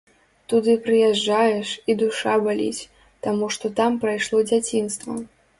Туды прыязджаеш, і душа баліць, таму што там прайшло дзяцінства.